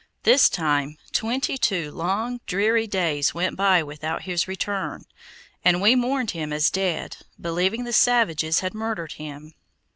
This time twenty two long, dreary days went by without his return, and we mourned him as dead, believing the savages had murdered him.